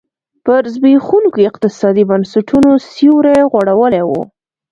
پر زبېښونکو اقتصادي بنسټونو سیوری غوړولی و.